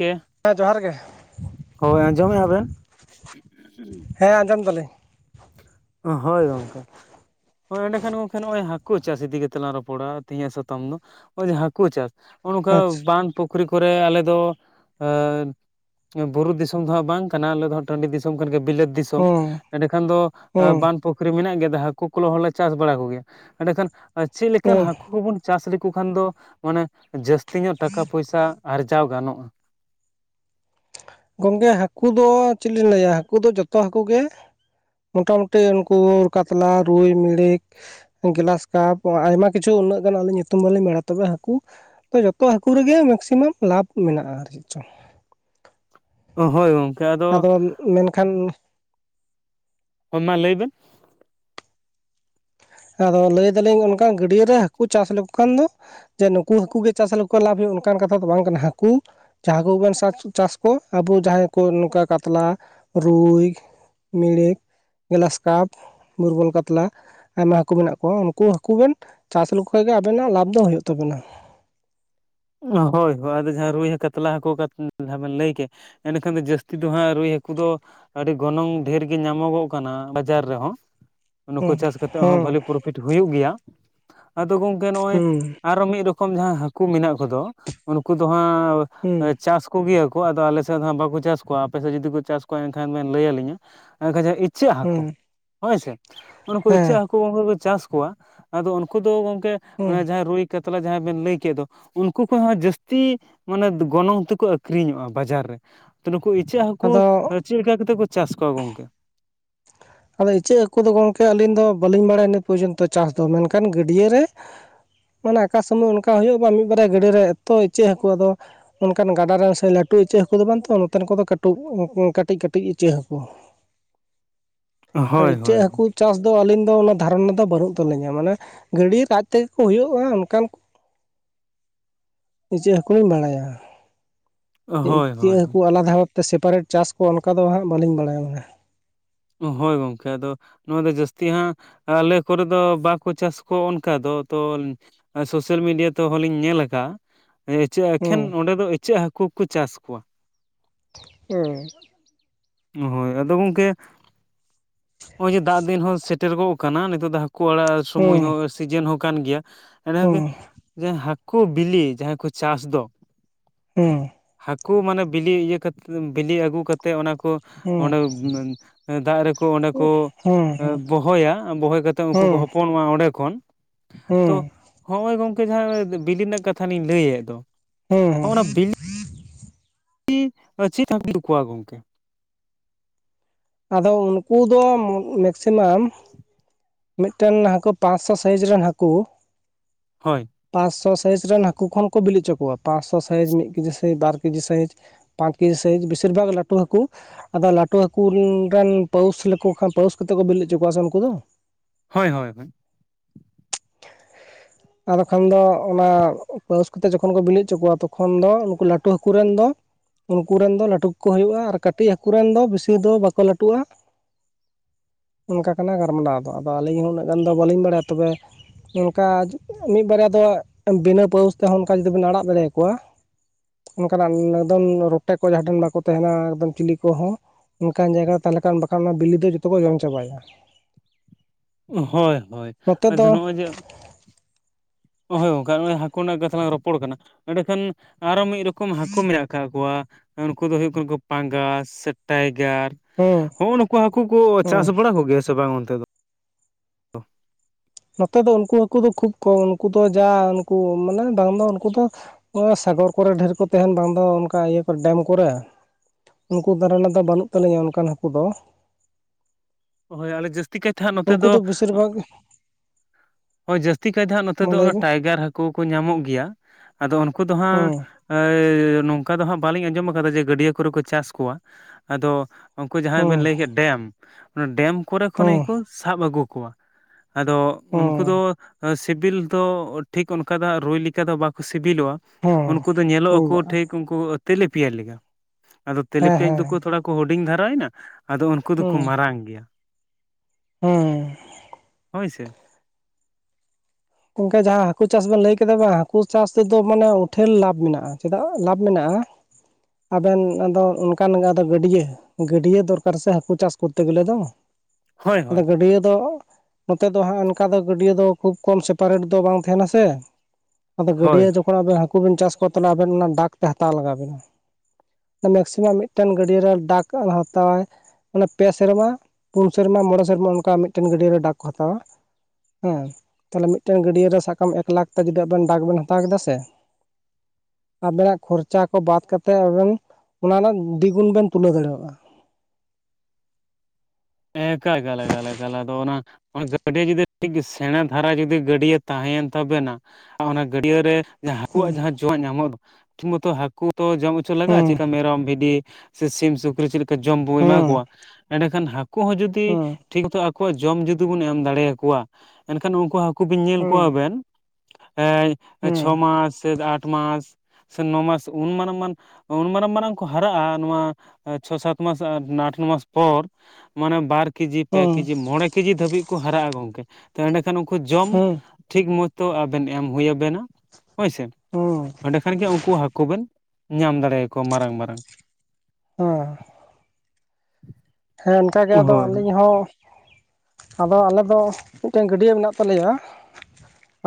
ᱠᱮ ᱦᱮᱸ ᱡᱚᱦᱟᱨ ᱜᱮ ᱦᱳᱭ ᱟᱡᱚᱢᱮᱜ-ᱟ ᱵᱮᱱ ᱦᱮᱸ ᱟᱸᱡᱚᱢ ᱫᱟᱞᱤᱧ ᱦᱳᱭ ᱜᱚᱝᱠᱮ ᱦᱳᱭ ᱮᱸᱰᱮ ᱠᱷᱟᱱ ᱜᱚᱝᱠᱮ ᱱᱚᱜᱼᱚᱭ ᱦᱟᱠᱳ ᱪᱟᱥ ᱤᱫᱤ ᱠᱟᱛᱮᱜ ᱞᱟᱝ ᱨᱚᱯᱚᱲᱟ ᱛᱤᱦᱤᱧ ᱟᱜ ᱥᱟᱛᱟᱢ ᱫᱚ ᱦᱚᱜᱼᱚᱭ ᱡᱮ ᱦᱟᱹᱠᱩ ᱪᱟᱥ ᱱᱚᱜ-ᱚ ᱱᱚᱝᱠᱟ ᱟᱪᱪᱷᱟ ᱵᱟᱸᱫᱽ ᱯᱩᱠᱷᱨᱤ ᱠᱚᱨᱮ ᱟᱞᱮ ᱫᱚ ᱵᱩᱨᱩ ᱫᱤᱥᱚᱢ ᱫᱚ ᱦᱟᱜ ᱵᱟᱝ ᱠᱟᱱᱟ ᱟᱞᱮ ᱫᱚ ᱴᱟᱺᱰᱤ ᱫᱤᱥᱚᱢ ᱠᱟᱱ ᱜᱮᱭᱟ ᱵᱤᱞᱟᱹᱛ ᱫᱤᱥᱚᱢ ᱦᱩᱸ ᱮᱸᱰᱮᱠᱷᱟᱱ ᱫᱚ ᱦᱩᱸ ᱯᱩᱠᱷᱨᱤ ᱢᱮᱱᱟᱜ ᱜᱮᱭᱟ ᱦᱟᱹᱠᱩ ᱠᱚᱞᱚ ᱦᱚᱸᱞᱮ ᱪᱟᱥ ᱵᱟᱲᱟ ᱠᱚᱜᱮᱭᱟ ᱮᱸᱰᱮᱠᱷᱟᱱ ᱪᱮᱫ ᱞᱮᱠᱟᱱ ᱦᱩᱸ ᱦᱟᱹᱠᱩ ᱠᱚᱵᱚᱱ ᱪᱟᱥ ᱞᱮᱠᱚ ᱠᱷᱟᱱ ᱫᱚ ᱢᱟᱱᱮ ᱡᱟᱹᱥᱛᱤ ᱧᱚᱜ ᱴᱟᱠᱟ ᱯᱚᱭᱥᱟ ᱟᱨᱡᱟᱣ ᱜᱟᱱᱚᱜᱼᱟ ᱜᱚᱝᱠᱮ ᱦᱟᱹᱠᱩ ᱫᱚ ᱪᱮᱫ ᱞᱤᱧ ᱞᱟᱹᱭᱟ ᱦᱟᱹᱠᱩ ᱫᱚ ᱡᱚᱛᱚ ᱦᱟᱹᱠᱩ ᱜᱮ ᱢᱚᱴᱟ-ᱢᱩᱴᱤ ᱩᱱᱠᱩ ᱠᱟᱛᱞᱟ ᱨᱩᱭ ᱢᱩᱞᱤᱠ ᱜᱞᱟᱥ ᱠᱟᱯ ᱟᱭᱢᱟ ᱠᱤᱪᱷᱩ ᱩᱱᱟᱹᱜ ᱜᱟᱱ ᱧᱩᱛᱩᱢ ᱵᱟᱹᱞᱤᱧ ᱵᱟᱰᱟᱭᱟ ᱛᱚᱵᱮ ᱦᱟᱹᱠᱩ ᱛᱚ ᱡᱚᱛᱚ ᱦᱟᱹᱠᱩ ᱨᱮᱜᱮ ᱢᱮᱠᱥᱤᱢᱟᱹᱢ ᱞᱟᱵᱽ ᱢᱮᱱᱟᱜᱼᱟ ᱟᱨ ᱪᱮᱫ ᱪᱚᱝ ᱦᱚᱭ ᱜᱚᱝᱠᱮ ᱟᱫᱚ ᱢᱮᱱᱠᱷᱟᱱ ᱦᱚᱭ ᱢᱟ ᱞᱟᱹᱭ ᱵᱤᱱ ᱟᱫᱚ ᱞᱟᱹᱭ ᱮᱫᱟ ᱞᱤᱧ ᱚᱱᱠᱟ ᱜᱟᱹᱰᱤᱭᱟᱹ ᱨᱮ ᱦᱟᱹᱠᱩ ᱪᱟᱥ ᱞᱮᱠᱚ ᱠᱷᱟᱱ ᱫᱚ ᱡᱮ ᱱᱩᱠᱩ ᱦᱟᱹᱠᱩ ᱜᱮ ᱪᱟᱥ ᱞᱮᱠᱚ ᱞᱟᱵᱷ ᱦᱩᱭᱩᱜ ᱚᱱᱠᱟᱱ ᱠᱟᱛᱷᱟ ᱫᱚ ᱵᱟᱝ ᱠᱟᱱᱟ ᱦᱟᱹᱠᱩ ᱡᱟᱦᱟ ᱠᱚᱵᱚᱱ ᱪᱟᱥ ᱠᱚ ᱟᱵᱚ ᱡᱟᱦᱟᱸᱭ ᱠᱚ ᱱᱚᱝᱠᱟ ᱠᱟᱛᱞᱟ ᱨᱩᱭ ᱢᱤᱲᱤᱠ ᱜᱮᱞᱟᱥ ᱠᱟᱯ ᱫᱩᱨᱵᱚᱞ ᱠᱟᱛᱞᱟ ᱟᱭᱢᱟ ᱦᱟᱹᱠᱩ ᱢᱮᱱᱟᱜ ᱠᱚᱣᱟ ᱩᱱᱠᱩ ᱦᱟᱹᱠᱩ ᱵᱮᱱ ᱪᱟᱥ ᱞᱮᱠᱚ ᱠᱷᱟᱡ ᱜᱮ ᱟᱵᱮᱱᱟᱜ ᱞᱟᱵᱽ ᱫᱚ ᱦᱚᱭᱚᱜ ᱛᱟᱵᱚᱱᱟ ᱦᱚᱭ ᱦᱚᱭ ᱟᱫᱚ ᱨᱩᱭ ᱠᱟᱛᱞᱟ ᱦᱟᱹᱠᱩ ᱠᱟᱛᱷᱟ ᱡᱟᱦᱟᱸ ᱵᱮᱱ ᱞᱟᱹᱭ ᱠᱮᱫ ᱮᱸᱰᱮ ᱠᱷᱟᱱ ᱫᱚ ᱡᱟᱹᱥᱛᱤ ᱫᱚ ᱦᱟᱸᱜ ᱨᱩᱭ ᱦᱟᱹᱠᱩ ᱫᱚ ᱟᱹᱰᱤ ᱜᱚᱱᱚᱝ ᱰᱷᱮᱨ ᱜᱮ ᱧᱟᱢᱚᱜᱚᱜ ᱠᱟᱱᱟ ᱵᱟᱡᱟᱨ ᱨᱮᱦᱚᱸ ᱱᱩᱠᱩ ᱦᱩᱸ ᱪᱟᱥ ᱠᱟᱛᱮᱜ ᱦᱚᱸ ᱦᱩᱸ ᱵᱷᱟᱹᱞᱤ ᱯᱩᱨᱩᱠ [unintelligible] ᱦᱩᱭᱩᱜ ᱜᱮᱭᱟ ᱟᱫᱚ ᱜᱚᱝᱠᱮ ᱱᱚᱜᱼᱚᱭ ᱦᱩᱸ ᱟᱨᱦᱚᱸ ᱢᱤᱫ ᱨᱚᱠᱚᱢ ᱡᱟᱦᱟᱸ ᱦᱟᱹᱠᱩ ᱢᱮᱱᱟᱜ ᱩᱱᱠᱩ ᱫᱚ ᱩᱱᱠᱩ ᱫᱚ ᱦᱟᱸᱜᱻ ᱦᱩᱸ ᱪᱟᱥ ᱠᱚ ᱜᱮᱭᱟᱠᱚ ᱟᱫᱚ ᱟᱞᱮ ᱥᱮᱫ ᱫᱚ ᱦᱟᱸᱜ ᱵᱟᱠᱚ ᱪᱟᱥ ᱠᱚᱣᱟ ᱟᱯᱮ ᱥᱮᱫ ᱡᱩᱫᱤ ᱠᱚ ᱪᱟᱥ ᱠᱚᱣᱟ ᱮᱱᱠᱷᱟᱱ ᱵᱮᱱ ᱞᱟᱹᱭ ᱟᱹᱞᱤᱧᱟ ᱮᱱᱠᱷᱟᱱ ᱡᱟᱦᱟᱸ ᱤᱪᱟᱹᱜ ᱦᱩᱸ ᱦᱟᱹᱠᱩ ᱦᱚᱭ ᱥᱮ ᱩᱱᱠᱩ ᱦᱮᱸ ᱤᱪᱟᱹᱜ ᱦᱟᱹᱠᱩ ᱩᱱᱠᱩ ᱜᱚᱢᱠᱮ ᱠᱚ ᱪᱟᱥ ᱠᱚᱣᱟ ᱟᱫᱚ ᱩᱱᱠᱩ ᱫᱚ ᱜᱚᱝᱠᱮ ᱦᱩᱸ ᱡᱟᱦᱟᱸᱭ ᱨᱩᱭ ᱠᱟᱛᱞᱟ ᱡᱟᱦᱟᱸᱭ ᱵᱮᱱ ᱞᱟᱹᱭ ᱠᱮᱜ ᱫᱚ ᱩᱱᱠᱩ ᱠᱷᱚᱜ ᱦᱚᱸ ᱡᱟᱹᱥᱛᱤ ᱢᱟᱱᱮ ᱜᱚᱱᱚᱝ ᱛᱮᱠᱚ ᱟᱹᱠᱷᱨᱤᱧᱚᱜᱼᱟ ᱵᱟᱡᱟᱨ ᱨᱮ ᱛᱚ ᱱᱩᱠᱩ ᱤᱪᱟᱹᱜ ᱦᱟᱹᱠᱩ ᱟᱫᱚ ᱪᱮᱫ ᱞᱮᱠᱟ ᱠᱟᱛᱮᱜ ᱠᱚ ᱪᱟᱥ ᱠᱚᱣᱟ ᱜᱚᱝᱠᱮ ᱟᱫᱚ ᱤᱪᱟᱹᱜ ᱦᱟᱹᱠᱩ ᱫᱚ ᱜᱚᱢᱠᱮ ᱟᱹᱞᱤᱧ ᱫᱚ ᱵᱟᱹᱞᱤᱧ ᱵᱟᱰᱟᱭᱟ ᱱᱤᱛ ᱯᱚᱨᱡᱚᱱᱛᱚ ᱪᱟᱥ ᱫᱚ ᱢᱮᱱᱠᱷᱟᱱ ᱜᱟᱹᱰᱤᱭᱟᱹ ᱨᱮ ᱢᱟᱱᱮ ᱚᱠᱟ ᱥᱚᱢᱚᱭ ᱚᱱᱠᱟ ᱦᱩᱭᱩᱜᱼᱟ ᱵᱟᱝ ᱢᱤᱫᱵᱟᱨᱭᱟ ᱜᱟᱹᱰᱤᱭᱟᱹ ᱨᱮ ᱮᱛᱚ ᱤᱪᱟᱹᱜ ᱦᱟᱹᱠᱩ ᱟᱫᱚ ᱚᱱᱠᱟᱱ ᱜᱟᱰᱟ ᱨᱮ ᱥᱫ ᱞᱟᱹᱴᱩ ᱤᱪᱟᱹᱜ ᱦᱟᱹᱠᱩ ᱫᱚ ᱵᱟᱝ ᱛᱚ ᱱᱚᱛᱮᱱ ᱠᱚᱫᱚ ᱠᱟᱹᱴᱩ ᱠᱟᱹᱴᱤᱡ ᱠᱟᱹᱴᱤᱡ ᱤᱪᱟᱹᱜ ᱦᱟᱹᱠᱩ ᱟᱨ ᱦᱳᱭ ᱦᱳᱭ ᱤᱪᱟᱹᱜ ᱦᱳᱭ ᱦᱟᱹᱠᱩ ᱪᱟᱥ ᱫᱚ ᱟᱹᱞᱤᱧ ᱫᱚ ᱚᱱᱟ ᱫᱷᱟᱨᱚᱱᱟ ᱫᱚ ᱵᱟᱹᱱᱩᱜ ᱛᱟᱹᱞᱤᱧᱟ ᱢᱟᱱᱮ ᱜᱟᱹᱰᱭᱟᱹ ᱨᱮ ᱟᱡ ᱛᱮᱜᱮ ᱠᱚ ᱦᱩᱭᱩᱜᱼᱟ ᱚᱱᱠᱟᱱ ᱠᱚ [inaudible] ᱤᱪᱟᱹᱜ ᱦᱟᱹᱠᱩᱧ ᱵᱟᱲᱟᱭᱟ ᱦᱳᱭ ᱤᱪᱟᱹᱜ ᱦᱳᱭ ᱦᱳᱭ ᱦᱟᱹᱠᱩ ᱟᱞᱟᱫᱟ ᱵᱷᱟᱵᱽᱛᱮ ᱥᱮᱯᱟᱨᱮᱴ ᱪᱟᱥ ᱠᱚ ᱚᱱᱠᱟ ᱫᱚ ᱦᱟᱸᱜ ᱵᱟᱹᱞᱤᱧ ᱵᱟᱲᱟᱭᱟ ᱢᱟᱱᱮ ᱦᱳᱭ ᱜᱚᱝᱠᱮ ᱟᱫᱚ ᱱᱚᱣᱟ ᱫᱚ ᱡᱟᱹᱥᱛᱤ ᱦᱟᱸᱜ ᱟᱞᱮ ᱠᱚᱨᱮ ᱫᱚ ᱵᱟᱠᱚ ᱪᱟᱥ ᱠᱚᱣᱟ ᱚᱱᱠᱟ ᱫᱚ ᱛᱚᱱ ᱥᱚᱥᱟᱹᱞ ᱢᱤᱰᱤᱭᱟ ᱛᱮᱦᱚᱸ ᱞᱤᱧ ᱧᱮᱞ ᱟᱠᱟᱜᱼᱟ ᱦᱮᱸ ᱪᱮᱜ ᱦᱩᱸ ᱮᱠᱷᱮᱱ ᱚᱸᱰᱮ ᱫᱚ ᱤᱪᱟᱹᱜ ᱦᱟᱹᱠᱩ ᱠᱚ ᱪᱟᱥ ᱠᱚᱣᱟ [unintelligible] ᱦᱳᱭ ᱟᱫᱚ ᱜᱚᱢᱠᱮ ᱱᱚᱜᱼᱚᱭ ᱡᱮ ᱫᱟᱜ ᱫᱤᱱ ᱦᱚᱸ ᱥᱮᱴᱮᱨᱚᱜ ᱠᱟᱱᱟ ᱱᱤᱛᱚᱜ ᱫᱚ ᱦᱟᱹᱠᱩ ᱟᱲᱟᱜ ᱥᱚᱢᱚᱭ ᱦᱚᱸ ᱥᱤᱡᱮᱱ ᱦᱚᱸ ᱠᱟᱱ ᱜᱮᱭᱟ ᱚᱱᱮ ᱦᱩᱸ [unintelligible] ᱡᱮ ᱦᱟᱹᱠᱩ ᱵᱤᱞᱤ ᱡᱟᱦᱟᱸᱭ ᱠᱚ ᱪᱟᱥ ᱫᱚ ᱦᱩᱸ ᱦᱟᱹᱠᱩ ᱢᱟᱱᱮ ᱵᱤᱞᱤ ᱤᱭᱟᱹ ᱠᱟᱛᱮ ᱵᱤᱞᱤ ᱟᱹᱜᱩ ᱠᱟᱛᱮᱜ ᱚᱱᱟ ᱠᱚ ᱦᱩᱸ ᱚᱸᱰᱮ ᱮᱸ ᱫᱟᱜ ᱨᱮᱠᱚ ᱚᱸᱰᱮ ᱠᱚ ᱦᱩᱸ ᱵᱚᱦᱚᱭᱟ ᱵᱚᱦᱚᱭ ᱠᱟᱛᱮᱜ ᱦᱩᱸ ᱩᱱᱠᱩ ᱠᱚ ᱦᱩᱸ ᱦᱚᱯᱚᱱᱚᱜᱼᱟ ᱚᱸᱰᱮ ᱠᱷᱚᱱ ᱛᱚ ᱦᱩᱸ ᱦᱚᱸᱜᱼᱚᱭ ᱜᱚᱝᱠᱮ ᱡᱟᱦᱟᱸ ᱵᱤᱞᱤ ᱨᱮᱱᱟᱜ ᱠᱟᱛᱷᱟ ᱞᱤᱧ ᱞᱟᱹᱭᱮᱫ ᱫᱚ ᱦᱩᱸ ᱦᱚᱸ ᱚᱱᱟ ᱵᱤᱞᱤ [unintelligible] ᱪᱤᱫ [unintelligible] ᱠᱚᱣᱟ ᱜᱚᱝᱠᱮ ᱟᱫᱚ ᱩᱱᱠᱩ ᱫᱚ ᱢᱮᱠᱥᱤᱢᱟᱢ ᱢᱤᱫᱴᱮᱱ ᱚᱱᱠᱟ ᱯᱟᱸᱥᱥᱚ ᱥᱟᱭᱤᱡ ᱨᱮᱱ ᱦᱟᱹᱠᱩ ᱦᱳᱭ ᱯᱟᱸᱪᱥᱚ ᱥᱟᱹᱭᱤᱡᱽ ᱨᱮᱱ ᱦᱟᱹᱠᱩ ᱠᱷᱚᱱ ᱠᱚ ᱵᱤᱞᱤ ᱦᱚᱪᱚᱠᱚᱣᱟ ᱯᱟᱸᱪᱥᱚ ᱥᱟᱹᱭᱤᱡᱽ ᱢᱤᱫ ᱠᱮᱡᱤ ᱥᱟᱹᱭᱤᱡᱽ ᱵᱟᱨ ᱠᱮᱡᱤ ᱥᱟᱹᱭᱤᱡᱽ ᱯᱟᱸᱪ ᱡᱮᱡᱤ ᱥᱟᱭᱤᱡ ᱵᱮᱥᱤᱨ ᱵᱷᱟᱜᱽ ᱞᱟᱹᱴᱩ ᱦᱟᱹᱠᱩ ᱟᱫᱚ ᱞᱟᱹᱴᱩ ᱦᱟᱹᱠᱩ ᱵᱮᱱ ᱯᱟᱹᱣᱩᱥ ᱞᱮᱠᱚ ᱠᱷᱟᱱ ᱯᱟᱹᱣᱩᱥ ᱠᱟᱛᱮᱫ ᱠᱚ ᱵᱤᱞᱤ ᱦᱚᱪᱚ ᱠᱚᱣᱟ ᱥᱮ ᱩᱱᱠᱩ ᱫᱚ ᱦᱳᱭ ᱦᱳᱭ ᱦᱳᱭ ᱟᱫᱚᱠᱷᱟᱱ ᱫᱚ ᱚᱱᱟ ᱯᱟᱹᱣᱩᱥ ᱠᱟᱛᱮ ᱡᱚᱠᱷᱚᱱ ᱠᱚ ᱵᱤᱞᱤ ᱦᱚᱪᱚ ᱠᱚᱣᱟ ᱛᱚᱠᱷᱚᱱ ᱫᱚ ᱩᱱᱠᱩ ᱞᱟᱹᱴᱩ ᱦᱟᱹᱠᱩ ᱨᱮᱱ ᱫᱚ ᱩᱱᱠᱩ ᱨᱮᱱ ᱫᱚ ᱞᱟᱹᱴ ᱜᱮᱠᱚ ᱦᱩᱭᱩᱜᱼᱟ ᱟᱨ ᱠᱟᱹᱴᱤᱡ ᱦᱟᱹᱠᱩ ᱨᱮᱱ ᱫᱚ ᱵᱤᱥᱤ ᱫᱚ ᱵᱟᱠᱚ ᱞᱟᱹᱴᱩᱜᱼᱟ ᱚᱱᱠᱟ ᱠᱟᱱᱟ ᱜᱟᱞᱢᱟᱨᱟᱣ ᱫᱚ ᱟᱫᱚ ᱟᱹᱞᱤᱧ ᱦᱚᱸ ᱩᱱᱟᱹᱜ ᱜᱟᱱ ᱫᱚ ᱵᱟᱹᱞᱤᱧ ᱵᱟᱲᱟᱭᱟ ᱛᱚᱵᱮ ᱱᱚᱝᱠᱟ ᱢᱤᱫ ᱵᱟᱨᱭᱟ ᱫᱚ ᱵᱤᱱᱟᱹ ᱯᱟᱹᱣᱩᱥ ᱛᱮᱦᱚᱸ ᱚᱱᱠᱟ ᱡᱩᱫᱤ ᱵᱮᱱ ᱟᱲᱟᱜ ᱫᱟᱲᱮᱭᱟᱠᱚᱣᱟ ᱚᱱᱠᱟᱱᱟᱜ ᱮᱠᱫᱚᱢ ᱨᱚᱴᱮ ᱠᱚ ᱡᱟᱦᱟᱸ ᱴᱷᱮᱱ ᱵᱟᱠᱚ ᱛᱟᱦᱮᱱᱟ ᱮᱠᱚᱢ ᱪᱤᱞᱤ ᱠᱚᱦᱚᱸ ᱚᱱᱠᱟᱱ ᱡᱟᱭᱜᱟ ᱛᱟᱦᱚᱞᱮ ᱠᱷᱟᱱ ᱵᱟᱠᱷᱟᱱ ᱚᱱᱟ ᱵᱤᱞᱤ ᱫᱚ ᱡᱚᱛᱚ ᱠᱚ ᱡᱚᱢ ᱪᱟᱵᱟᱭᱟ ᱦᱳᱭ ᱦᱳᱭ ᱱᱚᱛᱮ ᱫᱚ ᱟᱫᱚ ᱱᱚᱜᱼᱚᱭ ᱡᱮ ᱦᱳᱭ ᱜᱚᱝᱠᱮ ᱟᱨ ᱢᱤᱫ ᱦᱟᱹᱠᱩ ᱨᱮᱱᱟᱜ ᱠᱟᱛᱷᱟ ᱞᱟᱝ ᱨᱚᱯᱚᱲ ᱠᱟᱱᱟ ᱮᱸᱰᱮ ᱠᱷᱟᱱ ᱟᱨᱦᱚᱸ ᱢᱤᱫ [inaudible] ᱨᱚᱠᱚᱢ ᱦᱟᱹᱠᱩ ᱢᱮᱱᱟᱜ ᱟᱠᱟᱫ ᱠᱚᱣᱟ ᱩᱱᱠᱩ ᱫᱚ ᱦᱩᱭᱩᱜ ᱠᱟᱱᱟ ᱠᱚ ᱯᱟᱸᱜᱟᱥ ᱥᱮ ᱴᱟᱭᱜᱟᱨ ᱦᱩᱸ ᱦᱚᱸᱜᱼ ᱱᱩᱠᱩ ᱦᱟᱹᱠᱩ ᱠᱚ ᱦᱩᱸ ᱪᱟᱥ ᱵᱟᱲᱟ ᱠᱚᱜᱮᱭᱟ ᱥᱮ ᱵᱟᱝ ᱚᱱᱛᱮ ᱫᱚ ᱱᱚᱛᱮ ᱫᱚ ᱩᱱᱠᱩ ᱦᱟᱹᱠᱩ ᱫᱚ ᱠᱷᱩᱵᱽ ᱠᱚᱢ ᱩᱱᱠᱩ ᱫᱚ ᱡᱟ ᱩᱱᱠᱩ ᱢᱟᱱᱮ ᱫᱟᱢ ᱫᱚ ᱩᱱᱠᱩ ᱫᱚ [inaudible] ᱥᱟᱜᱚᱨ ᱠᱚᱨᱮ ᱰᱷᱮᱨ ᱠᱚ ᱛᱟᱦᱮᱱ ᱵᱟᱝ ᱫᱚ ᱚᱱᱠᱟ ᱤᱭᱟᱹ ᱠᱚᱨᱮ ᱰᱮᱢ ᱠᱚᱨᱮ ᱩᱱᱠᱩ ᱫᱟᱨᱟᱱᱟ ᱫᱚ ᱵᱟᱹᱱᱩᱜ ᱛᱟᱹᱞᱤᱧᱟ ᱚᱱᱠᱟᱱ ᱦᱟᱹᱠᱩ ᱫᱚ ᱦᱳᱭ ᱟᱞᱮ ᱡᱟᱹᱥᱛᱤ ᱠᱟᱭᱛᱮ ᱦᱟᱸᱜ ᱱᱚᱛᱮ ᱩᱱᱠᱩ ᱫᱚ ᱵᱮᱥᱤᱨ ᱵᱷᱟᱜᱽ ᱦᱳᱭ ᱡᱟᱹᱥᱛᱤ ᱠᱟᱭ ᱫᱚ ᱦᱟᱸᱜ ᱱᱚᱛᱮ ᱢᱟ ᱫᱚ ᱞᱟᱹᱭ ᱵᱤᱱ ᱴᱟᱭᱜᱟᱨ ᱦᱟᱹᱠᱩ ᱠᱚ ᱧᱟᱢᱚᱜ ᱜᱮᱭᱟ ᱟᱫᱚ ᱩᱱᱠᱩ ᱫᱚ ᱦᱟᱸᱜ ᱦᱩᱸ ᱮ ᱱᱚᱝᱠᱟ ᱫᱚ ᱦᱟᱸᱜ ᱵᱟᱹᱞᱤᱧ ᱟᱸᱡᱚᱢ ᱠᱟᱫᱟ ᱡᱮ ᱜᱟᱹᱰᱭᱟᱹ ᱠᱚᱨᱮ ᱠᱚ ᱪᱟᱥ ᱠᱚᱣᱟ ᱟᱫᱚ ᱩᱱᱠᱩ ᱡᱟᱦᱟᱸᱭ ᱵᱤᱱ ᱦᱩᱸ ᱞᱟᱹᱭ ᱠᱮᱫ ᱰᱮᱢ ᱚᱱᱟ ᱰᱮᱢ ᱠᱚᱨᱮ ᱠᱷᱚᱱ ᱜᱮ ᱦᱩᱸ ᱠᱚ ᱥᱟᱵ ᱟᱹᱜᱩ ᱠᱚᱣᱟ ᱟᱫᱚ ᱦᱸ [unintelligible] ᱥᱤᱵᱤᱞ ᱫᱚ ᱴᱷᱤᱠ ᱚᱱᱠᱟ ᱫ ᱨᱩᱭ ᱞᱮᱠᱟ ᱫᱚ ᱵᱟᱠᱚ ᱥᱤᱵᱤᱞᱚᱜᱼᱟ ᱦᱩᱸ ᱦᱩᱸ ᱩᱱᱠᱩ ᱫᱚ ᱧᱮᱞᱚᱜ ᱟᱠᱚ ᱦᱩᱸ ᱴᱷᱤᱠ ᱩᱱᱠᱩ ᱛᱮᱞᱮ ᱯᱮᱭᱟᱡᱽ ᱞᱮᱠᱟ ᱟᱫᱚ ᱛᱮᱞᱮ ᱦᱮᱸ ᱯᱮᱭᱟᱡᱽ ᱫᱚ ᱦᱮᱸ ᱛᱷᱚᱲᱟ ᱦᱩᱰᱤᱧ ᱫᱷᱟᱨᱟᱮᱱᱟ ᱟᱫᱚ ᱩᱱᱠᱩ ᱫᱚᱠᱚ ᱢᱟᱨᱟᱝ ᱜᱮᱭᱟ ᱦᱮᱸ ᱦᱳᱭ ᱥᱮ ᱜᱚᱢᱠᱮ ᱡᱟᱦᱟᱸ ᱦᱟᱹᱠᱩ ᱪᱟᱥ ᱵᱮᱱ ᱞᱟᱹᱭ ᱠᱮᱫᱟ ᱵᱟᱝ ᱦᱟᱹᱠᱩ ᱪᱟᱥ ᱛᱮᱫᱚ ᱢᱟᱱᱮ ᱩᱴᱷᱟᱹᱞ ᱞᱟᱵᱷ ᱢᱮᱱᱟᱜᱼᱟ ᱪᱮᱫᱟᱜ ᱞᱟᱵᱷ ᱢᱮᱱᱟᱜᱼᱟ ᱟᱵᱮᱱ ᱟᱫᱚ ᱚᱱᱠᱟᱱ ᱟᱫᱚ ᱜᱟᱹᱰᱭᱟᱹ ᱜᱟᱹᱰᱭᱟᱹ ᱫᱚᱨᱠᱟᱨ ᱥᱮ ᱦᱟᱹᱠᱩ ᱪᱟᱥ ᱠᱚᱨᱛᱮ ᱜᱮᱞᱮ ᱫᱚ ᱦᱳᱭ ᱟᱫᱚ ᱦᱳᱭ ᱜᱟᱹᱰᱭᱟᱹ ᱫᱚ ᱱᱚᱛᱮ ᱫᱚ ᱦᱟᱸᱜ ᱚᱱᱠᱟ ᱫᱚ ᱜᱟᱹᱰᱭᱟᱹ ᱫᱚ ᱠᱷᱩᱵ ᱠᱚᱢ ᱥᱮ ᱚᱯᱟᱨᱮᱴ ᱫᱚ ᱵᱟᱝ ᱛᱟᱦᱮᱸᱱᱟ ᱥᱮ ᱟᱫᱚ ᱦᱳᱭ ᱜᱟᱹᱰᱭᱟᱹ ᱡᱚᱠᱷ ᱛᱚᱠᱷᱚᱱ ᱟᱵᱮᱱ ᱦᱟᱹᱠᱩ ᱵᱮᱤᱱ ᱪᱟᱥ ᱠᱚᱣᱟ ᱛᱟᱦᱮ ᱟᱵᱮᱱ ᱚᱱᱟ ᱰᱟᱠ ᱛᱮ ᱦᱟᱛᱟᱣ ᱞᱟᱜᱟᱣᱵᱮᱱᱟ ᱢᱮᱠᱥᱤᱢᱟᱢ ᱢᱤᱫᱴᱮᱱ ᱜᱟᱹᱰᱭᱮ ᱰᱟᱠ ᱮᱢ ᱦᱟᱛᱟᱣᱟᱭ ᱚᱱᱟᱮ ᱯᱮ ᱥᱮᱨᱢᱟ ᱯᱩᱱ ᱥᱮᱨᱢᱟ ᱢᱚᱬᱮ ᱥᱮᱨᱢᱟ ᱚᱱᱠᱟ ᱢᱤᱫᱴᱮᱱ ᱜᱟᱹᱰᱭ ᱨᱮ ᱰᱟᱠ ᱠᱚ ᱦᱟᱛᱟᱣᱟ ᱦᱮᱸ ᱛᱟᱦᱞᱮ ᱢᱤᱫᱴᱮᱱ ᱜᱟᱹᱰᱭᱟᱹ ᱨᱮ ᱥᱟᱵ ᱠᱟᱜ ᱢᱮ ᱮᱠ ᱞᱟᱠᱷ ᱛᱮ ᱡᱩᱫᱤ ᱟᱵᱮᱱ ᱰᱟᱠ ᱵᱮᱱ ᱦᱟᱛᱟᱣ ᱠᱮᱫᱟ ᱥᱮ ᱟᱵᱮᱱᱟᱜ ᱠᱷᱚᱨᱪᱟ ᱠᱚ ᱵᱟᱫ ᱠᱟᱛᱮᱮᱫ ᱟᱵᱮᱱ ᱚᱱᱟᱱᱟᱜ ᱫᱤᱜᱩᱱ ᱵᱮᱱ ᱛᱩᱞᱟᱹᱣ ᱫᱟᱲᱮᱣᱟᱜᱼᱟ ᱮᱠᱟ ᱟᱞᱼᱟᱞᱼᱟᱞᱮ ᱟᱫᱚ ᱚᱱᱟ ᱜᱟᱹᱰᱭᱟᱹ ᱡᱩᱫᱤ ᱥᱮᱬᱮ ᱫᱷᱟᱨᱟ ᱡᱩᱫᱤ ᱜᱟᱹᱰᱭᱟᱹ ᱛᱟᱦᱮᱸᱭᱮᱱ ᱛᱟᱵᱮᱱᱟ ᱚᱱᱟ ᱜᱟᱹᱰᱭᱟᱹ ᱨᱮ ᱡᱟᱦᱟᱸ ᱦᱩᱸ ᱦᱟᱹᱠᱩᱣᱟᱜ ᱡᱟᱦᱟᱸ ᱡᱚ ᱧᱟᱢᱚᱜ ᱴᱷᱤᱠ ᱢᱚᱛᱚ ᱦᱟᱹᱠᱩ ᱛᱚ ᱡᱚᱢ ᱦᱚᱪᱚ ᱞᱟᱜᱟᱜᱼᱟ ᱦᱩᱸ ᱪᱮᱫᱠᱟ ᱢᱮᱨᱚᱢ ᱵᱷᱤᱰᱤ ᱥᱮ ᱥᱤᱢ ᱥᱩᱠᱨᱤ ᱪᱮᱫ ᱞᱮᱠᱟ ᱡᱚᱢ ᱵᱚᱱ ᱮᱢᱟ ᱦᱩᱸ ᱠᱚᱣᱟ ᱮᱸᱰᱮᱠᱷᱟᱱ ᱦᱟᱹᱠᱩ ᱦᱚᱸ ᱡᱩᱫᱤ ᱦᱩᱸ ᱴᱷᱤᱠ ᱢᱚᱛᱚ ᱟᱠᱚᱣᱟᱜ ᱡᱚᱢ ᱡᱩᱫᱤ ᱵᱚᱱ ᱮᱢ ᱫᱟᱲᱮᱭᱟᱠᱚᱣᱟ ᱮᱱᱠᱷᱟᱱ ᱩᱱᱠᱩ ᱦᱟᱹᱠᱩ ᱵᱤᱱ ᱧᱮᱞ ᱦᱩᱸ ᱠᱚᱣᱟᱵᱮᱱ ᱮ ᱦᱩᱸ ᱪᱷᱚ ᱢᱟᱥ ᱥᱮ ᱟᱴ ᱢᱟᱥ ᱥᱮ ᱱᱚ ᱢᱟᱥ ᱩᱱᱢᱟᱱ ᱮᱢᱟᱱ ᱩᱱᱤ ᱢᱟᱨᱟᱝ ᱢᱟᱨᱟᱝ ᱠᱚ ᱦᱟᱨᱟᱜᱼᱟ ᱱᱚᱣᱟ ᱪᱷᱚ ᱥᱟᱛ ᱢᱟᱥ ᱟᱴᱷ ᱱᱚ ᱢᱟᱥ ᱯᱚᱨ ᱢᱟᱱᱮ ᱵᱟᱨ ᱠᱮᱡᱤ ᱯᱮ ᱦᱩᱸ ᱠᱮᱡᱤ ᱢᱚᱬᱮ ᱠᱮᱡᱤ ᱫᱷᱟᱹᱵᱤᱡ ᱠᱚ ᱦᱟᱨᱟᱜᱼᱟ ᱜᱚᱢᱠᱮ ᱮᱸᱰᱮᱠᱷᱟᱱ ᱩᱱᱠᱩ ᱡᱚᱢ ᱦᱩᱸ ᱴᱷᱤᱠ ᱢᱚᱛᱚ ᱟᱵᱮᱱ ᱮᱢ ᱦᱩᱭᱩ ᱟᱵᱮᱱᱟ ᱦᱳᱭᱥᱮ ᱦᱩᱸ ᱚᱸᱰᱮ ᱠᱷᱟᱱ ᱠᱷᱟᱱ ᱜᱮ ᱩᱱᱠᱩ ᱦᱟᱹᱠᱩ ᱵᱚᱱ ᱧᱟᱢ ᱫᱟᱲᱮᱭᱟᱠᱚᱣᱟ ᱢᱟᱨᱟᱝ ᱢᱟᱨᱟᱝ ᱦᱮᱸᱻ ᱦᱮᱸ ᱚᱱᱠᱟ ᱜᱮᱮ ᱟᱫᱚ ᱦᱳᱭ ᱟᱹᱞᱤᱧ ᱦᱚᱸ ᱟᱫᱚ ᱟᱞᱮ ᱫᱚ ᱢᱤᱫᱴᱮᱱ ᱜᱟᱹᱰᱭᱟᱹ ᱢᱮᱱᱟᱜ ᱛᱟᱞᱮᱭᱟ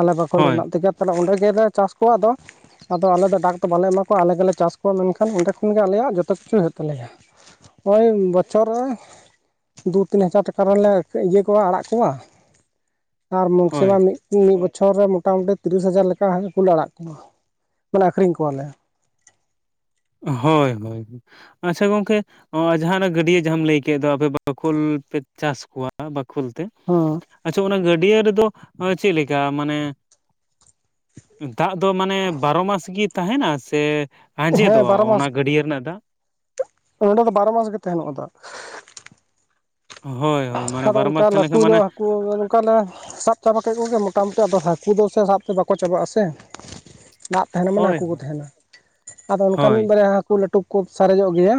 ᱟᱞᱮ ᱵᱟᱠᱷᱳᱞ ᱦᱳᱭ ᱨᱮᱱᱟᱜ ᱛᱮᱜᱮ ᱛᱟᱦᱚᱞᱮ ᱚᱸᱰᱮ ᱜᱮᱮᱞᱮ ᱪᱟᱥ ᱠᱚᱣᱟ ᱟᱫᱚ ᱟᱫᱚ ᱟᱞᱮ ᱫᱚ ᱰᱟᱠ ᱫᱚ ᱵᱟᱞᱮ ᱮᱢᱟ ᱠᱚᱣᱟᱞᱮ ᱜᱮᱞᱮ ᱪᱟᱥ ᱠᱚᱣᱟ ᱢᱮᱱᱠᱷᱟᱱ ᱚᱸᱰᱮ ᱠᱷᱚᱱᱜ ᱜᱮ ᱟᱞᱮᱭᱟᱜ ᱡᱚᱛᱚ ᱠᱤᱪᱷᱩ ᱦᱩᱭᱩᱜ ᱛᱟᱞᱮᱭᱟ ᱦᱳᱭ [unintelligible] ᱵᱚᱪᱷᱚᱨ ᱨᱮ ᱫᱩ ᱛᱤᱱ ᱦᱟᱡᱟᱨ ᱴᱟᱠᱟ ᱨᱮᱱᱞᱮ ᱤᱭᱟᱹ ᱠᱚᱣᱟ ᱟᱲᱟᱜ ᱠᱚᱣᱟ ᱟᱨ ᱦᱳᱭ ᱢᱤᱠᱥᱤᱢᱟᱢ ᱢᱤᱫ.. ᱢᱤᱫ ᱵᱚᱪᱷᱚᱨ ᱨᱮ ᱢᱚᱴᱟᱟᱢᱩᱴᱤ ᱛᱤᱨᱤᱥ ᱦᱟᱡᱟᱨ ᱞᱮᱠᱟ ᱠᱚᱞᱮ ᱟᱲᱟᱜ ᱠᱚᱣᱟ ᱢᱟᱱᱮ ᱟᱠᱷᱨᱤᱧ ᱠᱚᱣᱟᱞᱮ ᱦᱳᱭ ᱦᱳᱭ ᱟᱪᱪᱷᱟ ᱜᱚᱢᱠᱮ ᱦᱚᱸ ᱡᱟᱦᱟᱸᱱᱟᱜ ᱜᱟᱹᱰᱭᱟᱹ ᱡᱟᱦᱟᱸᱟᱢ ᱞᱟᱹᱭ ᱠᱮᱫ ᱫᱚ ᱟᱯᱮ ᱵᱟᱠᱷᱳᱞ ᱯᱮ ᱪᱟᱥ ᱠᱚᱣᱟ ᱵᱟᱠᱷᱳᱞ ᱛᱮ ᱦᱚᱸᱻ ᱟᱪᱪᱷᱟ ᱚᱱᱟ ᱜᱟᱹᱰᱭᱟᱹ ᱨᱮᱫᱚ ᱪᱮᱫ ᱞᱮᱠᱟ ᱢᱟᱱᱮ ᱫᱟᱜ ᱫᱚ ᱢᱟᱱᱮ ᱵᱟᱨᱚ ᱢᱟᱥ ᱜᱮ ᱛᱟᱦᱮᱱᱟ ᱥᱮ ᱦᱮᱸ ᱟᱸᱡᱮᱫᱚᱜᱼᱟ ᱚᱱᱟ ᱜᱟᱹᱰ ᱨᱮᱱᱟᱜ ᱫᱟᱜ ᱱᱚᱰᱮ ᱫᱚ ᱵᱟᱨᱚ ᱢᱟᱥ ᱜᱮ ᱛᱟᱦᱮᱱᱚᱜᱫᱚ ᱦᱳᱭ ᱦᱳᱭ ᱢᱟᱱᱮ ᱮᱱᱠᱷᱟᱱ ᱵᱟᱨᱚ ᱚᱱᱠᱟ ᱢᱟᱥ ᱛᱟᱦᱮᱸ ᱞᱟᱹᱴᱩ ᱞᱮᱱᱠᱷᱟᱱ ᱢᱟᱱᱮ ᱧᱚᱜ ᱦᱟᱹᱠᱩ ᱚᱱᱠᱟᱞᱮ ᱥᱟᱵ ᱪᱟᱵᱟ ᱠᱮᱫ ᱠᱚᱜᱮ ᱢᱚᱴᱟᱢᱩᱴᱤ ᱟᱫᱚ ᱦᱟᱹᱠᱩ ᱫᱚ ᱥᱮ ᱥᱟᱵᱛᱮ ᱵᱟᱠᱚ ᱪᱟᱵᱟᱜᱼᱟ ᱥᱮ ᱫᱟᱜ ᱛᱟᱦᱮᱱᱟ ᱢᱟᱱᱮ ᱦᱳᱭ ᱦᱟᱹᱠᱩ ᱠᱚ ᱦᱳᱭ ᱛᱟᱦᱮᱱᱟ ᱟᱫᱚ ᱚᱱᱠᱟ ᱦᱳᱭ ᱢᱤᱫ ᱵᱟᱨᱭᱟ ᱦᱟᱹᱠᱩ ᱞᱟᱹᱴᱩ ᱠᱚ ᱥᱟᱨᱮᱡᱚᱜ ᱜᱮᱭᱟ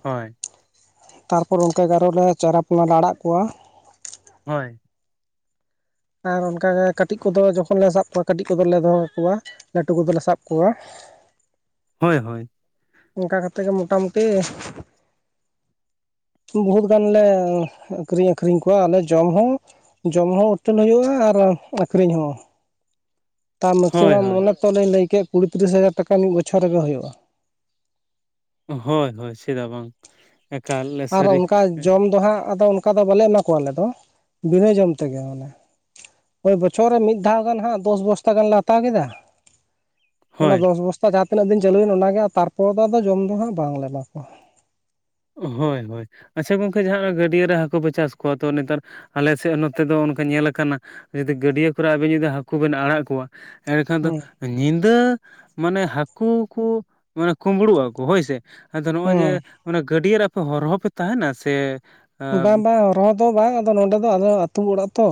ᱦᱳᱭ ᱛᱟᱨᱯᱚᱨ ᱚᱱᱠ ᱜᱮ ᱟᱨᱚ ᱞᱮ ᱪᱟᱨᱟᱯᱚᱱᱟ ᱞᱮ ᱟᱲᱟᱜ ᱠᱚᱣᱟ ᱦᱳᱭ ᱟᱨ ᱚᱱᱠᱟᱜᱮ ᱠᱟᱹᱴᱤᱡ ᱠᱚᱫᱚ ᱡᱚᱠᱷᱚᱱ ᱞᱮ ᱥᱟᱵ ᱠᱚᱣᱟ ᱠᱟᱹᱴᱤᱡ ᱠᱚᱫᱚᱞᱮ ᱫᱚᱦᱚ ᱠᱚᱣᱟ ᱞᱟᱹᱴᱩ ᱠᱚᱫᱚᱞᱮ ᱥᱟᱵ ᱠᱚᱣᱟ ᱾ ᱦᱳᱭ ᱦᱳᱭ ᱾ ᱚᱱᱠᱟ ᱠᱟᱛᱮ ᱜᱮ ᱢᱳᱚᱴᱟᱢᱩᱴᱤ ᱵᱚᱦᱩᱛ ᱜᱟᱱᱞᱮ ᱠᱨᱤᱧ ᱟᱹᱷᱨᱤᱧ ᱠᱚᱣᱟ ᱟᱞᱮ ᱡᱚᱢ ᱦᱚᱸ ᱡᱚᱢ ᱦᱚᱸ ᱩᱛᱟᱹᱱ ᱦᱩᱭᱩᱜᱼᱟ ᱟᱨ ᱟᱠᱠᱷᱨᱤᱧ ᱦᱚᱸ ᱾ ᱛᱟ ᱢᱮᱠᱥᱤᱢᱟᱢ ᱦᱳᱭ ᱚᱱᱮ ᱛᱚᱞᱧ ᱞᱟᱹᱭ ᱠᱮᱫ ᱠᱩᱲᱤ ᱛᱤᱨᱤᱥ ᱦᱟᱡᱟᱨ ᱴᱟᱠᱟ ᱢᱤᱫ ᱵᱚᱪᱷᱚᱨ ᱨᱮᱜᱮ ᱦᱳᱭᱳᱜᱼᱟ ᱾ ᱦᱳᱭ ᱦᱳᱭ, ᱪᱮᱫᱟᱜ ᱵᱟᱝ? ᱮᱠᱟᱞ ᱟᱨ ᱥᱟᱹᱨᱤ ᱚᱱᱠᱟ ᱡᱚᱢ ᱫᱚ ᱦᱟᱸᱜ ᱟᱫᱚ ᱚᱱᱠᱟ ᱫᱚ ᱵᱟᱞᱮ ᱮᱢᱟ ᱠᱚᱣᱟ ᱟᱞᱮ ᱫᱚ ᱵᱤᱱᱟᱹ ᱡᱚᱢ ᱛᱮᱜᱮ ᱢᱟᱱᱮ, ᱳᱭ ᱵᱚᱪᱷᱚᱨ ᱨᱮ ᱢᱤᱫ ᱫᱷᱟᱣ ᱜᱟᱱ ᱦᱟᱜ ᱫᱚᱥ ᱵᱚᱥᱛᱟ ᱜᱟᱱᱞᱮ ᱦᱟᱛᱟᱣ ᱠᱮᱫᱟ ᱚᱱᱟ ᱦᱳᱭ ᱫᱚᱥ ᱵᱚᱥᱛᱟ ᱡᱟᱦᱟᱸ ᱛᱤᱱᱟᱹᱜ ᱫᱤᱱ ᱪᱟᱹᱞᱩᱭᱮᱱ ᱚᱱᱟᱜᱮ ᱛᱟᱨᱯᱚᱨ ᱫᱚ ᱟᱫᱚ ᱡᱚᱢ ᱫᱚ ᱦᱟᱸᱜ ᱵᱟᱝᱞᱮ ᱮᱢᱟ ᱠᱚᱣᱟ ᱾ ᱦᱳᱭ ᱦᱳᱭ ᱟᱪᱪᱷᱟ ᱜᱚᱝᱠᱮ ᱡᱟᱦᱟᱸᱱᱟᱜ ᱜᱟᱹᱰᱭᱟᱹ ᱨᱮ ᱦᱟᱹᱠᱩ ᱯᱮ ᱪᱟᱥ ᱠᱚᱣᱟ ᱛᱚ ᱱᱮᱛᱟᱨ ᱟᱞᱮᱥᱮᱫ ᱱᱚᱛᱮ ᱫᱚ ᱚᱱᱠᱟ ᱧᱮᱞᱟ ᱠᱟᱱᱟ ᱡᱩᱫᱤ ᱜᱟᱹᱰᱭᱟᱹ ᱠᱚᱨᱮ ᱟᱵᱤᱱ ᱡᱩᱫᱤ ᱦᱟᱹᱠᱩ ᱵᱤᱱ ᱟᱲᱟᱜ ᱠᱚᱣᱟ ᱮᱸᱰᱮᱠᱷᱟᱱ ᱫᱚ ᱦᱩᱸ ᱧᱤᱫᱟᱹ ᱢᱟᱱᱮ ᱦᱟᱹᱠᱩ ᱠᱩ ᱢᱟᱱᱮ ᱠᱩᱢᱵᱽᱲᱩᱜᱼᱟᱠᱚ ᱦᱳᱭ ᱥᱮ ᱟᱫᱚ ᱱᱚᱜᱼᱚᱭ ᱡᱮ ᱦᱩᱸ ᱚᱱᱟ ᱜᱟᱹᱰᱭᱟᱹ ᱨᱮ ᱟᱯᱮ ᱦᱚᱨᱦᱚ ᱯᱮ ᱛᱟᱦᱮᱱᱟ ᱥᱮ ᱵᱟᱝ ᱵᱟᱝ ᱦᱚᱨᱦᱚ ᱫᱚ ᱵᱟᱝ ᱟᱫᱚ ᱱᱚᱰᱮ ᱫᱚ ᱟᱫᱚ ᱟᱹᱛᱩ ᱚᱲᱟᱜ ᱛᱚ,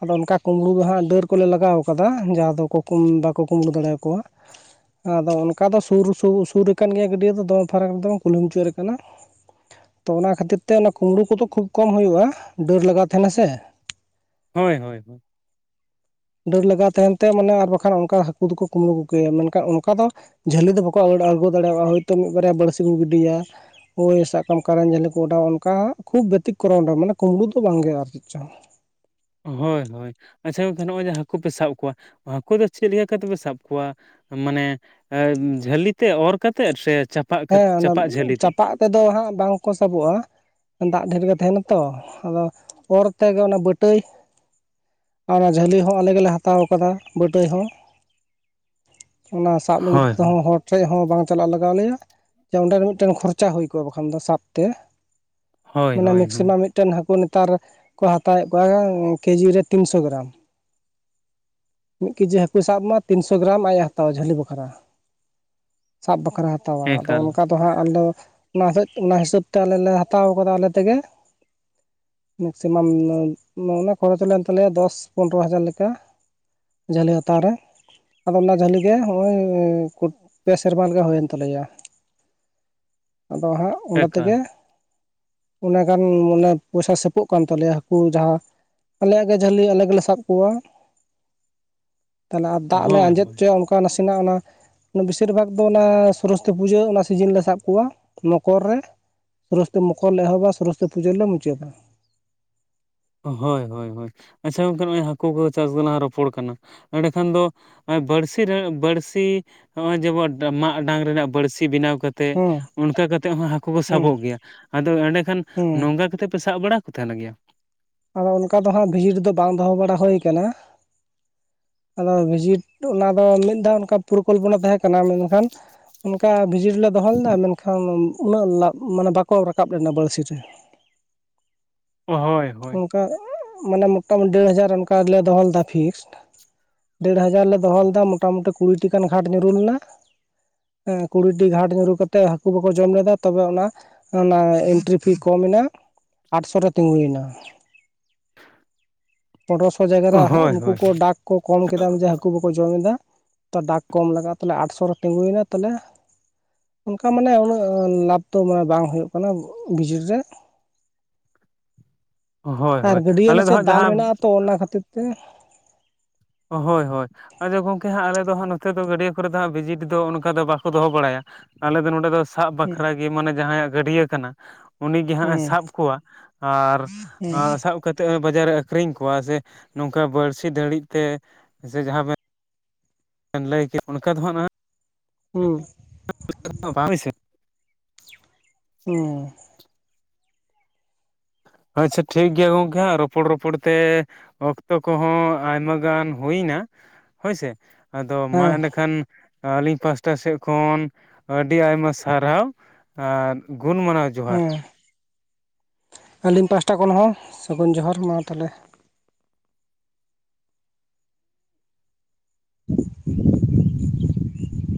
ᱟᱫᱚ ᱚᱱᱠᱟ ᱠᱩᱢᱵᱽᱲᱩ ᱫᱚ ᱦᱟᱸᱜ ᱰᱟᱹᱨ ᱠᱚᱞᱮ ᱞᱟᱜᱟᱣ ᱠᱟᱫᱟ ᱡᱟᱦᱟᱸ ᱫᱚ ᱠᱚ ᱠᱩᱢ ᱵᱟᱠᱚ ᱠᱩᱢᱵᱽᱲᱩ ᱫᱟᱲᱮᱭᱟᱠᱚᱣᱟ ᱾ ᱟᱫᱚ ᱚᱱᱠᱟ ᱫᱚ ᱥᱩᱨ ᱥᱩᱨ ᱥᱩᱨ ᱠᱟᱱ ᱜᱮᱭᱟ ᱜᱟᱹᱰᱭᱟᱹ ᱫᱚ ᱫᱚᱢᱮ ᱯᱷᱟᱨᱟᱠ ᱫᱚ ᱵᱟᱝ ᱠᱩᱞᱦᱤ ᱢᱩᱪᱟᱹᱫ ᱠᱟᱱᱟ ᱾ ᱛᱚ ᱚᱱᱟ ᱠᱷᱟᱹᱛᱤᱨ ᱛᱮ ᱚᱱᱟ ᱠᱩᱢᱵᱽᱲᱩ ᱠᱚᱫᱚ ᱠᱷᱩᱵ ᱠᱚᱢ ᱦᱩᱭᱩᱜᱼᱟ ᱰᱟᱹᱨ ᱞᱟᱜᱟᱣ ᱛᱟᱦᱮᱱᱟ ᱥᱮ ᱾ ᱦᱳᱭ ᱦᱳᱭ ᱰᱟᱹᱨ ᱞᱟᱜᱟᱣ ᱛᱟᱦᱮᱱ ᱛᱮ ᱢᱟᱱᱮ ᱟᱨ ᱵᱟᱠᱷᱟᱱ ᱚᱱᱠᱟ ᱦᱟᱹᱠᱩ ᱫᱚᱠᱚ ᱠᱩᱢᱵᱽᱲᱩ ᱠᱚ ᱠᱮᱭᱟ ᱢᱮᱱᱠᱷᱟᱱ ᱚᱱᱠᱟ ᱫᱚ ᱡᱷᱟᱹᱞᱤ ᱫᱚ ᱵᱟᱠᱚ ᱟᱬᱜᱚ ᱫᱟᱲᱮᱭᱟᱜᱼᱟ ᱦᱭᱛᱳ ᱢᱤᱫ ᱵᱟᱨᱭᱟ ᱵᱟᱹᱲᱥᱤ ᱠᱚ ᱜᱤᱰᱤᱭᱟ, ᱦᱳᱭ ᱥᱟᱵ ᱠᱟᱢ ᱠᱟᱨᱮᱱ ᱡᱷᱟᱹᱞᱤ ᱠᱚ ᱚᱰᱟᱣᱟ ᱚᱱᱠᱟ ᱠᱷᱩᱵ ᱵᱮᱛᱤᱠᱠᱨᱚᱢ ᱨᱮ ᱢᱟᱱᱮ ᱠᱩᱢᱵᱽᱲᱩ ᱫᱚ ᱵᱟᱝ ᱜᱮ ᱟᱨ ᱪᱮᱫ ᱪᱚ ᱦᱳᱭ ᱦᱳᱭ ᱟᱪᱪᱷᱟ ᱜᱚᱝᱠᱮ ᱱᱚᱜᱼᱚᱭ ᱡᱮ ᱦᱟᱹᱠᱩ ᱯᱮ ᱥᱟᱵ ᱠᱚᱣᱟ ᱦᱟᱹᱠᱩ ᱫᱚ ᱪᱮᱫ ᱞᱮᱠᱟ ᱠᱟᱛᱮ ᱯᱮ ᱥᱟᱵ ᱠᱚᱣᱟ? ᱢᱟᱱᱮ ᱡᱷᱟᱹᱞᱤᱛᱮ ᱚᱨ ᱠᱟᱛᱮᱜ ᱥᱮ ᱪᱟᱯ ᱦᱮᱸ ᱚᱱᱟ ᱪᱟᱯᱟᱫ ᱛᱮᱫᱚ ᱦᱟᱸᱜ ᱵᱟᱝᱠᱚ ᱥᱟᱵᱚᱜᱼᱟ ᱾ ᱫᱟᱜ ᱰᱷᱮᱨ ᱜᱮ ᱛᱟᱦᱮᱱᱟ ᱛᱚ ᱟᱫᱚ ᱚᱨ ᱛᱮᱜᱮ ᱚᱱᱟ ᱵᱟᱹᱴᱟᱹᱭ ᱾ ᱟᱨ ᱡᱷᱟᱹᱞᱤ ᱦᱚᱸ ᱟᱞᱮ ᱜᱮᱞᱮ ᱦᱟᱛᱟᱣ ᱠᱟᱫᱟ ᱵᱟᱹᱴᱟᱹᱭ ᱦᱚᱸ ᱾ ᱚᱱᱟ ᱥᱟᱵ ᱞᱟᱹᱜᱤᱫ ᱦᱳᱭ ᱦᱳᱭ ᱛᱮᱦᱚᱸ ᱦᱚᱲ ᱴᱷᱮᱡ ᱦᱚᱸ ᱵᱟᱝ ᱪᱟᱞᱟᱜ ᱞᱟᱜᱟᱣ ᱞᱮᱭᱟ ᱾ ᱚᱸᱰᱮ ᱢᱤᱫᱴᱟᱝ ᱠᱷᱚᱨᱪᱟ ᱦᱩᱭ ᱠᱚᱜᱼᱟ ᱵᱟᱠᱷᱟᱱ ᱫᱚ ᱥᱟᱵ ᱛᱮ ᱦᱳᱭ ᱢᱟᱱᱮ ᱦᱳᱭ ᱦᱳᱭ ᱢᱮᱠᱥᱤᱢᱟᱢ ᱢᱤᱫ ᱢᱤᱫᱴᱟᱝ ᱦᱟᱹᱠᱩ ᱱᱮᱛᱟᱨ ᱠᱚ ᱦᱟᱛᱟᱣᱮᱫ ᱠᱚᱣᱟ ᱠᱮᱡᱤ ᱨᱮ ᱛᱤᱱᱥᱚ ᱜᱮᱨᱟᱢ ᱾ ᱢᱤᱫ ᱠᱮᱡᱤ ᱦᱟᱹᱠᱩᱭ ᱥᱟᱵ ᱢᱟ ᱛᱤᱱᱥᱚ ᱜᱨᱟᱢ ᱟᱡ ᱮ ᱦᱟᱛᱟᱣᱟ ᱡᱷᱟᱹᱞᱤ ᱵᱟᱠᱷᱨᱟ ᱥᱟᱵ ᱵᱟᱠᱷᱨᱟᱭ ᱦᱟᱛᱟᱣᱟ ᱟᱫᱚ ᱮᱠᱟᱞ, ᱚᱱᱠᱟ ᱛᱚ ᱦᱟᱸᱜ ᱟᱫᱚ ᱚᱱᱟ ᱥᱮᱫ ᱚᱱᱟ ᱦᱤᱥᱟᱹᱵᱽ ᱛᱮ ᱟᱞᱮ ᱞᱮ ᱦᱟᱛᱟᱣ ᱠᱟᱫᱟ ᱟᱞᱮ ᱛᱮᱜᱮ ᱾ ᱢᱮᱠᱥᱤᱢᱟᱢ [unintelligible] ᱚᱱᱟ ᱠᱷᱚᱨᱚᱪ ᱞᱮᱱ ᱛᱟᱞᱮᱭᱟ ᱫᱚᱥ ᱯᱚᱱᱨᱚ ᱦᱟᱡᱟᱨ ᱞᱮᱠᱟ ᱾ ᱡᱷᱟᱹᱞᱤ ᱦᱟᱛᱟᱣ ᱨᱮ ᱟᱫᱚ ᱚᱱᱟ ᱡᱷᱟᱹᱞᱤ ᱜᱮ ᱦᱚᱜ-ᱚᱭ ᱠᱩᱴ ᱯᱮ ᱥᱮᱨᱢᱟ ᱞᱮᱠᱟ ᱦᱩᱭᱮᱱ ᱛᱟᱞᱮᱭᱟ ᱟᱫᱚ ᱦᱟᱸᱜ ᱚᱸᱰᱮ ᱛᱮᱜᱮ ᱮᱠᱟᱞ ᱚᱱᱟ ᱜᱟᱱ ᱢᱟᱱᱮ ᱯᱚᱭᱥᱟ ᱥᱮᱯᱚᱜ ᱠᱟᱱ ᱛᱟᱞᱮᱭᱟ ᱦᱟᱹᱠᱩ ᱡᱟᱦᱟᱸ ᱟᱞᱮᱭᱟᱜ ᱜᱮ ᱡᱷᱟᱹᱞᱤ ᱟᱞᱮ ᱜᱮᱞᱮ ᱥᱟᱵ ᱠᱚᱣᱟ ᱾ [unintelligible] ᱛᱟᱦᱞᱮ ᱟᱨ ᱫᱟᱜ ᱞᱮ ᱦᱳᱭ, ᱟᱸᱡᱮᱫ ᱦᱳᱭ, ᱦᱚᱪᱚᱭᱟ ᱚᱱᱠᱟ ᱱᱟᱥᱮᱱᱟᱜ ᱚᱱᱟ ᱵᱮᱥᱤᱨ ᱵᱷᱟᱜᱽ ᱫᱚ ᱚᱱᱟ ᱥᱚᱨᱚᱥᱚᱛᱤ ᱯᱩᱡᱟᱹ ᱚᱱᱟ ᱥᱤᱡᱤᱱ ᱞᱮ ᱥᱟᱵ ᱠᱚᱣᱟ ᱢᱚᱠᱚᱨ ᱨᱮ, ᱥᱚᱨᱚᱥᱚᱛᱤ ᱢᱚᱠᱚᱨ ᱞᱮ ᱮᱦᱚᱵᱟ ᱥᱚᱨᱚᱥᱚᱛᱤ ᱯᱩᱡᱟᱹ ᱨᱮᱞᱮ ᱢᱩᱪᱟᱹᱫᱟ ᱾ ᱦᱳᱭ ᱦᱳᱭ ᱦᱳᱭ ᱟᱪᱪᱷᱟ ᱜᱚᱝᱠᱮ ᱱᱚᱜᱼᱭ ᱦᱟᱹᱠᱩ ᱠᱚ ᱪᱟᱥ ᱜᱮ ᱞᱟᱝ ᱨᱚᱯᱚᱲ ᱠᱟᱱᱟ ᱮᱸᱰᱮᱠᱷᱟᱱ ᱫᱚ ᱱᱚᱜ-ᱚᱭ ᱵᱟᱹᱲᱥᱤ ᱵᱟᱹᱲᱥᱤ ᱱᱚᱜᱼᱚᱭ ᱡᱮᱢᱚᱱ ᱢᱟᱜ ᱰᱟᱝ ᱨᱮᱱᱟᱜ ᱵᱟᱹᱲᱥᱤ ᱵᱮᱱᱟᱣ ᱠᱟᱛ ᱛᱮ ᱦᱩᱸ ᱚᱱᱠᱟ ᱠᱟᱛᱮ ᱦᱚᱸ ᱦᱟᱹᱠᱩ ᱠᱚ ᱦᱩᱸ ᱥᱟᱵᱚᱜ ᱜᱮᱭᱟ ᱟᱫᱚ ᱮᱸᱰᱮ ᱠᱷᱟᱱ ᱦᱩᱸ ᱱᱚᱝᱠᱟ ᱠᱟᱛᱮ ᱯᱮ ᱥᱟᱵ ᱵᱟᱲᱟ ᱠᱚ ᱠᱚ ᱛᱟᱦᱮᱱᱟ ᱜᱮᱭᱟ? ᱟᱫᱚ ᱚᱱᱠᱟ ᱫᱚ ᱦᱟᱸᱜ ᱵᱷᱤᱡᱤᱴ ᱫᱚ ᱵᱟᱝ ᱫᱚᱦᱚ ᱵᱟᱲᱟ ᱦᱳᱭ ᱠᱟᱱᱟ ᱾ ᱟᱫᱚ ᱵᱷᱤᱡᱤᱴ ᱚᱱᱟ ᱫᱚ ᱢᱤᱫ ᱫᱷᱟᱣ ᱚᱱᱠᱟ ᱯᱚᱨᱤᱠᱚᱞᱯᱚᱱᱟ ᱛᱟᱦᱮᱸ ᱠᱟᱱᱟ ᱢᱮᱱᱠᱷᱟᱱ ᱚᱱᱠᱟ ᱵᱷᱤᱡᱤ ᱨᱮᱞᱮ ᱫᱚᱦᱚ ᱞᱮᱫᱟ ᱢᱮᱱᱠᱷᱟᱱ ᱩᱱᱟᱹᱜ ᱞᱟᱜ ᱢᱟᱱᱮ ᱵᱟᱠᱚ ᱨᱟᱠᱟᱵ ᱞᱮᱱᱟ ᱵᱟᱹᱲᱥᱤ ᱨᱮᱦᱚᱸ᱾ ᱦᱳᱭ ᱦᱚ ᱚᱱᱠᱟ ᱢᱟᱱᱮ ᱢᱚᱴᱟᱢᱩᱴᱤ ᱰᱮᱲ ᱦᱟᱡᱟᱨ ᱚᱱᱠᱟᱞᱮ ᱫᱚᱦᱚ ᱞᱮᱫᱟ ᱯᱷᱤᱠᱥᱴ᱾ ᱰᱮᱲ ᱦᱟᱡᱟᱨ ᱞᱮ ᱫᱚᱦᱚ ᱞᱮᱫᱟ ᱢᱚᱴᱟᱢᱩᱴᱤ ᱠᱩᱲᱤᱴᱤ ᱜᱟᱱ ᱜᱷᱟᱴ ᱧᱩᱨᱩ ᱞᱮᱱᱟ᱾ ᱮᱸ ᱠᱩᱲᱤᱴᱤ ᱜᱷᱟᱴ ᱧᱩᱨᱩ ᱠᱟᱛᱮ ᱦᱟᱠᱩ ᱵᱟᱠᱚ ᱡᱚᱢ ᱞᱮᱫᱟ ᱛᱚᱵᱮ ᱚᱱᱟ ᱚᱱᱟ ᱮᱱᱴᱨᱤ ᱯᱷᱤ ᱠᱚᱢ ᱮᱱᱟ ᱟᱴᱥᱚ ᱨᱮ ᱛᱤᱸᱜᱩᱭᱮᱱᱟ᱾ ᱯᱚᱱᱨᱚᱥᱚ ᱡᱟᱭᱜᱟ ᱨᱮ ᱦᱳᱭ, ᱩᱱᱠᱩ ᱠᱚ ᱰᱟᱠ ᱠᱚ ᱠᱚᱢ ᱠᱮᱫᱟ ᱩᱱᱡᱮ ᱦᱟᱹ ᱠᱩ ᱵᱟᱠᱚ ᱡᱚᱢ ᱮᱫᱟ ᱛᱚ ᱰᱟᱠ ᱠᱚᱢ ᱞᱟᱜᱟᱜᱼᱟ ᱛᱮ ᱟᱴᱥᱚ ᱨᱮ ᱛᱤᱸᱜᱩᱭᱮᱱᱟ ᱛᱟᱦᱚᱞᱮ ᱚᱱᱠᱟ ᱢᱟᱱᱮ ᱩᱱᱟᱹᱜ ᱞᱟᱵᱷ ᱛᱚ ᱢᱟᱱᱮ ᱵᱟᱝ ᱦᱩᱭᱩᱜ ᱠᱟᱱᱟ ᱵᱤᱡᱽᱤᱰ ᱨᱮ, ᱦᱳᱭ, ᱟᱨ ᱦᱳᱭ᱾ ᱜᱟᱹᱰᱭᱟᱹ ᱟᱞᱮ ᱫᱚ ᱱᱟᱥᱮᱭᱟᱜ ᱦᱟᱸᱜ ᱫᱟᱞ ᱡᱟᱦᱟᱸ ᱢᱮᱱᱟᱜᱼᱟ ᱛᱚ ᱚᱱᱟ ᱠᱷᱟᱹᱛᱤᱨ ᱛᱮ ᱦᱳᱭ ᱦᱳᱭ ᱟᱪᱪᱷᱟ ᱜᱚᱢᱠᱮ ᱦᱟᱸᱜ ᱟᱞᱮ ᱫᱚ ᱱᱷᱟᱜ ᱱᱚᱛᱮ ᱫᱚ ᱜᱟᱹᱰᱭᱟᱹ ᱠᱚᱨᱮ ᱫᱚ ᱦᱟᱸᱜ ᱵᱷᱤᱡᱤᱴ ᱫᱚ ᱚᱱᱠᱟ ᱫᱚ ᱵᱟᱠᱚ ᱫᱚᱦᱚ ᱵᱟᱲᱟᱭᱟ᱾ ᱟᱞᱮ ᱫᱚ ᱱᱚᱸᱰᱮ ᱫᱚ ᱥᱟᱵ ᱵᱟᱠᱷᱨᱟ ᱜᱮ ᱢᱟᱱᱮ ᱡᱟᱦᱟᱸᱭᱟᱜ ᱜᱟᱹᱰᱭᱟᱹ ᱠᱟᱱᱟ, ᱩᱱᱤ ᱜᱮ ᱦᱟᱸᱜ ᱮ ᱦᱩᱸ ᱥᱟᱵ ᱠᱚᱣᱟ ᱟᱨ ᱦᱩᱸ ᱥᱟᱵ ᱠᱟᱹ ᱛᱮ ᱵᱟᱡᱟᱨᱮ ᱟᱹᱠᱷᱨᱤᱧ ᱠᱚᱣᱟ ᱥᱮ ᱱᱚᱝᱠᱟ ᱵᱟᱹᱲᱥᱤ ᱫᱟᱹᱲᱤᱡ ᱛᱮ ᱥᱮ ᱡᱟᱦᱟᱸ ᱵᱮᱱ ᱞᱟᱹᱭ ᱠᱮᱜ ᱚᱱᱠᱟ ᱫᱚ ᱱᱷᱟᱜ ᱦᱩᱸ᱾ [unintelligible] ᱵᱟ ᱦᱟᱯᱩᱭ ᱥᱮ᱾ ᱚ᱾ ᱟᱪᱪᱷᱟ ᱴᱷᱤᱠ ᱜᱮᱭᱟ ᱜᱚᱝᱠᱮ ᱦᱟᱸᱜ ᱨᱚᱯᱚᱲ ᱨᱚᱯᱚᱲ ᱛᱮ ᱚᱠᱛᱚ ᱠᱚᱦᱚᱸ ᱟᱭᱢᱟ ᱜᱟᱱ ᱦᱩᱭᱮᱱᱟ ᱦᱳᱭᱥᱮ ᱟᱫᱚ ᱢᱟ ᱦᱮᱸ ᱮᱱᱠᱷᱟᱱ ᱟᱹᱞᱤᱧ ᱯᱟᱥᱴᱟ ᱥᱮᱫ ᱠᱷᱚᱱ ᱟᱹᱰᱤ ᱟᱭᱢᱟ ᱥᱟᱨᱦᱟᱣ᱾ ᱟᱨ ᱜᱩᱱ ᱢᱟᱱᱟᱣ ᱡᱚᱦᱟᱨ ᱦᱮᱸ ᱟᱹᱞᱤᱧ ᱯᱟᱥᱴᱟ ᱠᱷᱚᱱ ᱦᱚᱸ ᱥᱟᱹᱜᱩᱱ ᱡᱚᱦᱟᱨ ᱢᱟ ᱛᱟᱦᱚᱞᱮ᱾ [unintelligible]